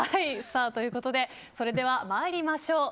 それでは参りましょう。